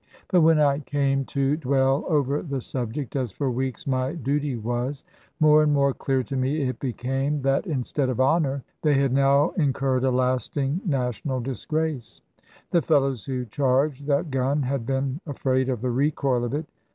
But when I came to dwell over the subject (as for weeks my duty was), more and more clear to me it became, that instead of honour they had now incurred a lasting national disgrace. The fellows who charged that gun had been afraid of the recoil of it.